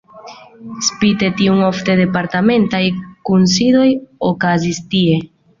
Spite tion ofte departementaj kunsidoj okazis tie.